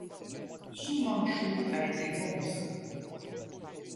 Su Manshu a été bonze.